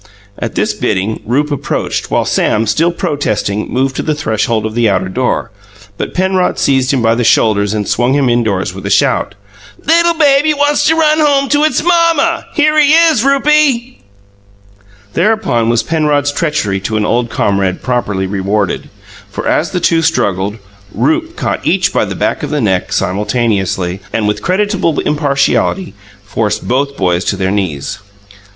At this bidding, Rupe approached, while Sam, still protesting, moved to the threshold of the outer door; but Penrod seized him by the shoulders and swung him indoors with a shout. "Little baby wants to run home to its Mom muh! Here he is, Rupie." Thereupon was Penrod's treachery to an old comrade properly rewarded, for as the two struggled, Rupe caught each by the back of the neck, simultaneously, and, with creditable impartiality, forced both boys to their knees.